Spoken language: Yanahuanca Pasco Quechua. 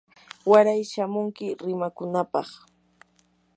waray shamunki rimakunapaq.